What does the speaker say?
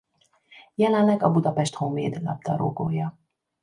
Jelenleg a Budapest Honvéd labdarúgója.